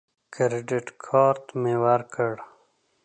کریډټ کارت مې ورکړ.